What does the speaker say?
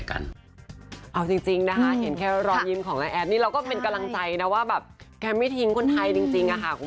เอาจริงนะคะเห็นแค่รอยยิ้มของน้าแอดนี่เราก็เป็นกำลังใจนะว่าแบบแกไม่ทิ้งคนไทยจริงค่ะคุณ